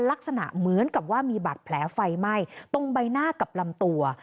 ลักษณะเหมือนกับว่ามีบาดแผลไฟไหม้ตรงใบหน้ากับลำตัว